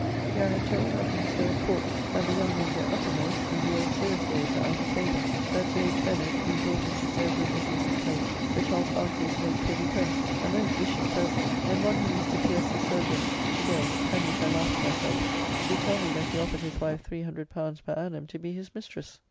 Here I am told how things go at Court; that the young men get uppermost, and the old serious lords are out of favour; that Sir H. Bennet, being brought into Sir Edward Nicholas's place, Sir Charles Barkeley is made Privy Purse; a most vicious person, and one whom Mr. Pierce, the surgeon, to day (at which I laugh to myself), did tell me that he offered his wife L300 per annum to be his mistress.